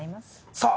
さあ